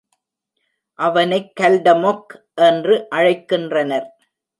அவனைக் கல்டமொக் என்று அழைக்கின்றனர்.